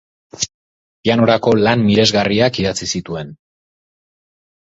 Pianorako lan miresgarriak idatzi zituen.